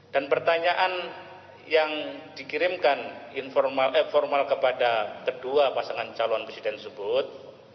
dan pertanyaan yang dikirimkan informal eh formal kepada kedua pasangan calon presiden sebut